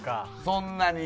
そんなに。